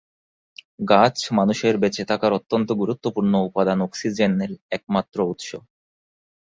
গাছ মানুষের বেঁচে থাকার অত্যন্ত গুরুত্বপূর্ণ উপাদান অক্সিজেন এর একমাত্র উৎস।